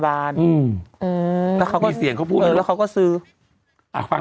ฟังเสียงเค้าซื้อนิดนึง